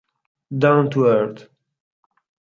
Down to Earth